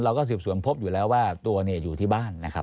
เราก็สืบสวนพบอยู่แล้วว่าตัวเนี่ยอยู่ที่บ้านนะครับ